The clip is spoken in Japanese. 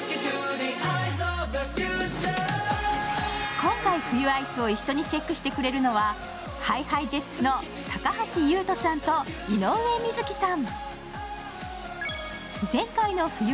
今回、冬アイスを一緒にチェックしてくれるのはＨｉＨｉＪｅｔｓの高橋優斗さんと井上瑞稀さん。